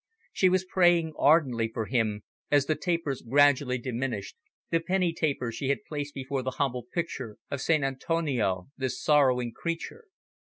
She was praying ardently for him, as the tapers gradually diminished, the penny tapers she had placed before the humble picture of Sant' Antonio, this sorrowing creature.